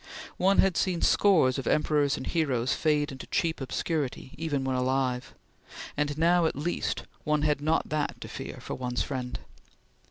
One had seen scores of emperors and heroes fade into cheap obscurity even when alive; and now, at least, one had not that to fear for one's friend.